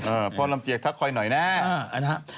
เออพ่อลำเจียกทักคอยหน่อยแน่